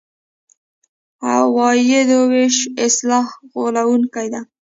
عوایدو وېش اصطلاح غولوونکې ده.